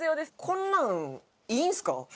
こんなんいいんですか？